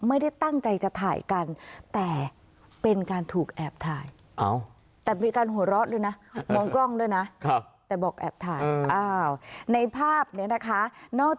ไม่ได้ตั้งใจจะถ่ายกันแต่เป็นการถูกแอบถ่าย